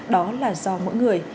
đó là do mỗi người